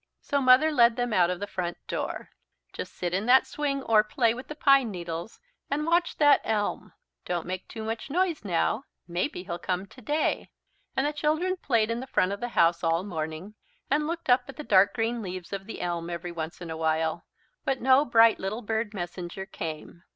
So Mother led them out of the front door. "Just sit in that swing or play with the pine needles and watch that elm. Don't make too much noise now! Maybe he'll come today." And the children played in the front of the house all the morning and looked up at the dark green leaves of the elm every once in a while. But no bright little bird messenger came.